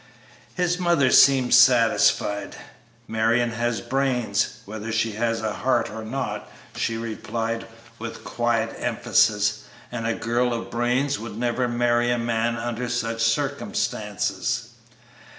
His mother seemed satisfied. "Marion has brains, whether she has a heart or not," she replied, with quiet emphasis; "and a girl of brains would never marry a man under such circumstances."